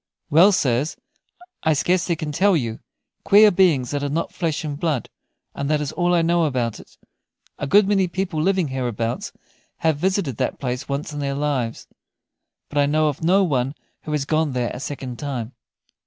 "Well, sirs, I scarcely can tell you; queer beings that are not flesh and blood, and that is all I know about it. A good many people living hereabouts have visited that place once in their lives, but I know of no one who has gone there a second time."